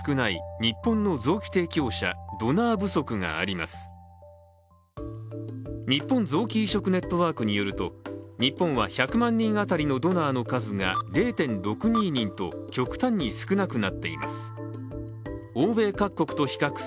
日本臓器移植ネットワークによると日本は１００万人当たりのドナーの数が０．６２人と極端に少なくなっています。